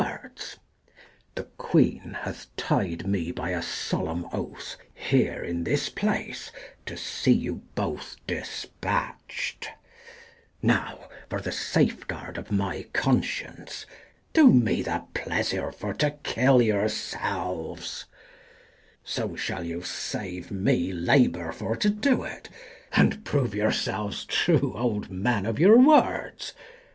VH] HIS THREE DAUGHTERS 63 The queen hath tied me by a solemn oath, Here in this place to see you both dispatch'd : Now for the safeguard of my conscience, Do me the pleasure for to kill yourselves : no So shall you save me labour for to do it, And prove yourselves true old men of your words.